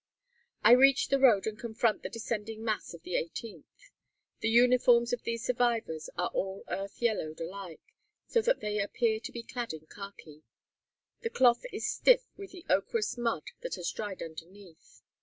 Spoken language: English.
I reach the road, and confront the descending mass of the 18th. The uniforms of these survivors are all earth yellowed alike, so that they appear to be clad in khaki. The cloth is stiff with the ochreous mud that has dried underneath.